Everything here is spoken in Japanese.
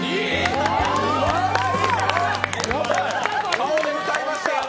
顔で歌いました。